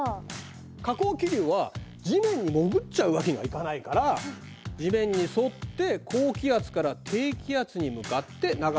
下降気流は地面に潜っちゃうわけにはいかないから地面に沿って高気圧から低気圧に向かって流れていく。